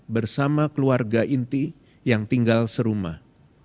bersama keluarga inti yang tinggal serumah